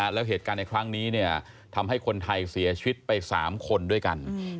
แล้วเหตุการณ์ในครั้งนี้ทำให้คนไทยเสียชีวิตไป๓คนด้วยกัน